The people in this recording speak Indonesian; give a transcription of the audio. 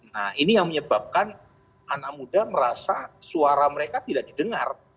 nah ini yang menyebabkan anak muda merasa suara mereka tidak didengar